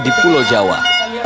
di pulau jawa